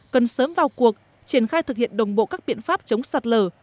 cần sớm vào cuộc triển khai thực hiện đồng bộ các biện pháp chống sạt lở